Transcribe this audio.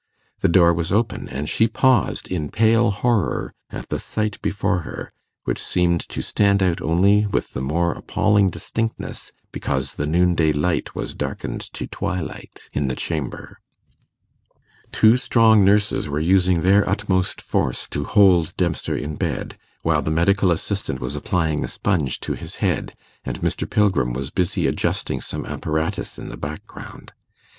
The door was open, and she paused in pale horror at the sight before her, which seemed to stand out only with the more appalling distinctness because the noonday light was darkened to twilight in the chamber. Two strong nurses were using their utmost force to hold Dempster in bed, while the medical assistant was applying a sponge to his head, and Mr. Pilgrim was busy adjusting some apparatus in the background.